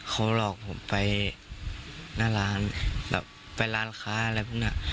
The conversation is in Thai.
เขาหลอกผมไปหน้าร้านแบบไปร้านค้าอะไรพวกนี้